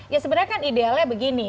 ya sebenarnya kan idealnya begini